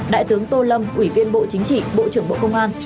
đại tướng tô lâm ủy viên bộ chính trị bộ trưởng bộ công an